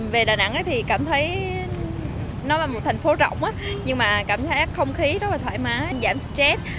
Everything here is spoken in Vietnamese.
về đà nẵng thì cảm thấy nó là một thành phố rộng nhưng mà cảm thấy không khí rất là thoải mái giảm stress